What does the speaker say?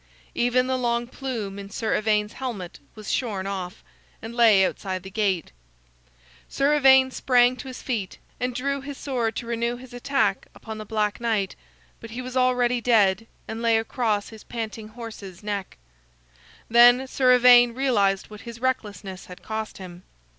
Even the long plume in Sir Ivaine's helmet was shorn off, and lay outside the gate. Sir Ivaine sprang to his feet and drew his sword to renew his attack upon the Black Knight, but he was already dead, and lay across his panting horse's neck. Then Sir Ivaine realized what his recklessness had cost him.